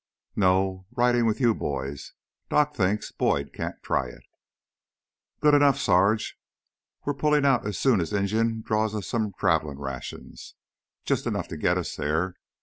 "No. Ridin' with you boys. Doc thinks Boyd can't try it." "Good enough, Sarge. We're pullin' out soon as Injun draws us some travelin' rations. Jus' enough to get us theah.